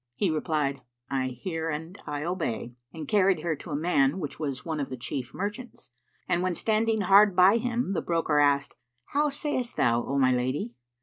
He replied, "I hear and I obey," and carried her to a man which was one of the chief merchants. And when standing hard by him the broker asked, "How sayst thou, O my lady?